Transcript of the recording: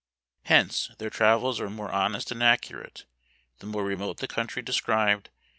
Hence, their travels are more honest and accurate, the more remote the country described.